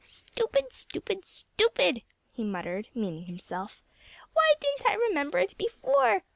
"Stupid, stupid, stupid!" he muttered, meaning himself. "Why didn't I remember it before?